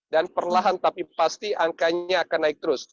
dan perlahan tapi pasti angkanya akan naik terus